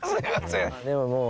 でももう。